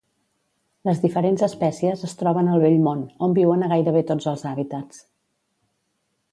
Les diferents espècies es troben al Vell Món, on viuen a gairebé tots els hàbitats.